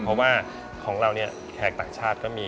เพราะว่าของเราเนี่ยแขกต่างชาติก็มี